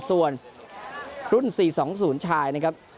ส่วนรุ่น๔๒๐ชายนะครับ